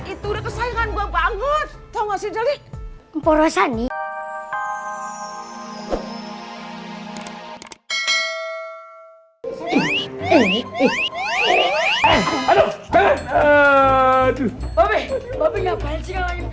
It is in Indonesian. itu udah kesayangan gua banget tau gak sih jelik porosan nih